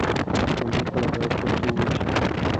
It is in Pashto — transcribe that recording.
ښوونځي کې بايد پښتو وويل شي.